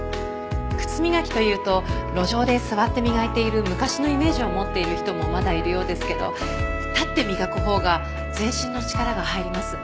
靴磨きというと路上で座って磨いている昔のイメージを持っている人もまだいるようですけど立って磨くほうが全身の力が入ります。